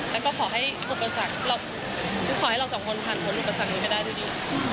แล้วก็ขอให้อุปสรรคคือขอให้เราสองคนผ่านพ้นอุปสรรคนี้ไปได้ด้วยดี